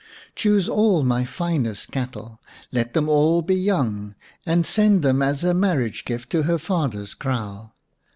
Choose all my finest cattle, let them all be young, and send them as a marriage gift to her father's kraal.